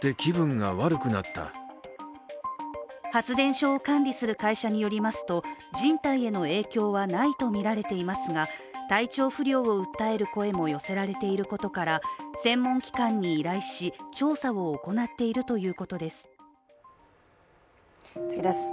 発電所を管理する会社によりますと人体への影響はないとみられていますが体調不良を訴える声も寄せられていることから専門機関に依頼し調査を行っているということです。